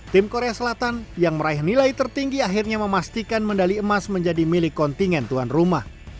tim korea selatan yang meraih nilai tertinggi akhirnya memastikan medali emas menjadi milik kontingen tuan rumah